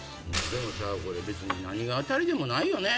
でもさぁこれ何が当たりでもないよね。